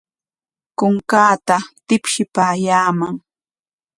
Kunkaata tipshipaayaaman.